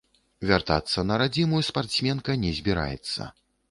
Вяртацца на радзіму спартсменка не збіраецца.